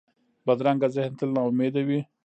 بدرنګه ذهن تل ناامیده وي